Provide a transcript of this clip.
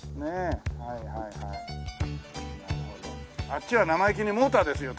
あっちは生意気にモーターですよ